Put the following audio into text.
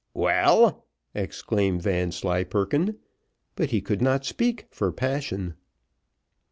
"Well!" exclaimed Vanslyperken, but he could not speak for passion.